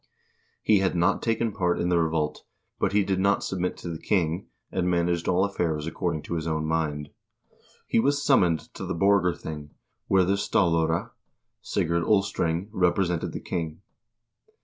He had not taken part in the revolt, but he did not submit to the king, and managed all affairs according to his own mind. He was summoned to the Borgarthing, where the stallare, Sigurd Ulstreng, represented the king.